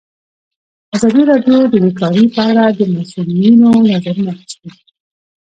ازادي راډیو د بیکاري په اړه د مسؤلینو نظرونه اخیستي.